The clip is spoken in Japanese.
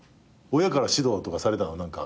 親から指導とかされたの？